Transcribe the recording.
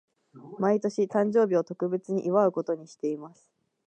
毎年、誕生日を特別に祝うことにしています。